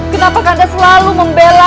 kenapa kanda selalu membela